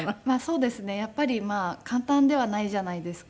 やっぱり簡単ではないじゃないですか